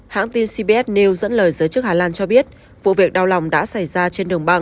hãng tin cbs nêu dẫn lời giới chức hà lan cho biết vụ việc đau lòng đã xảy ra trên đường băng